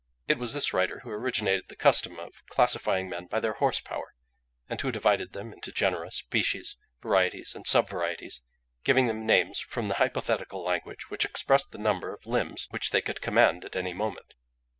It was this writer who originated the custom of classifying men by their horse power, and who divided them into genera, species, varieties, and subvarieties, giving them names from the hypothetical language which expressed the number of limbs which they could command at any moment.